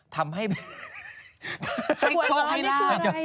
ทำให้ชกให้ลา